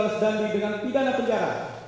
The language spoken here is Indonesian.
mas dandi dengan pidana penjara